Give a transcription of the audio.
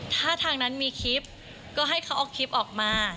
ถ้าทางนั้นมีคลิปก็ให้เขาเอาคลิปออกมา